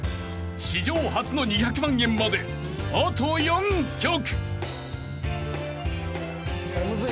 ［史上初の２００万円まであと４曲］